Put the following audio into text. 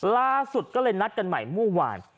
ล่าสุดก็เลยนัดกันใหม่เมื่อวาน